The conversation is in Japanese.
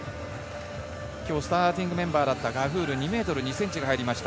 今日、スターティングメンバーだったガフールが入りました。